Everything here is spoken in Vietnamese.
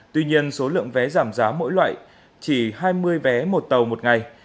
tuy nhiên số lượng vé giảm giá mỗi loại chỉ hai mươi vé một tàu một ngày